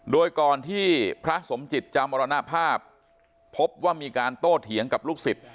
โดยก่อนที่พระสมจิตจะมรณภาพพบว่ามีการโต้เถียงกับลูกศิษย